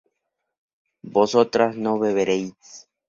vosotras no beberéis